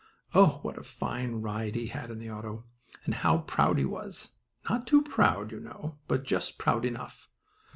Oh, what a fine ride he had in the auto, and how proud he was! Not too proud, you know, but just proud enough.